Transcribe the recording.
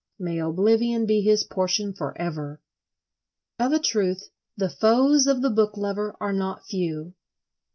May oblivion be his portion for ever! Of a truth, the foes of the book lover are not few.